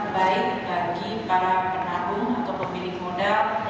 baik bagi para penanggung atau pemilik modal